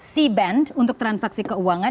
c band untuk transaksi keuangan